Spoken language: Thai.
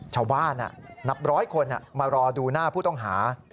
ชาวบ้านนับร้อยคนมารอดูหน้าผู้ต้องหา